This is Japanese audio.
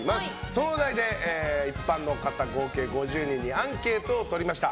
そのお題で一般の方合計５０人にアンケートをとりました。